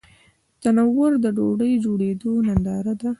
تنور د ډوډۍ جوړېدو ننداره ده